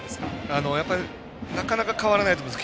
なかなか変わらないと思います。